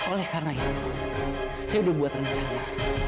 oleh karena itu saya sudah buat rencana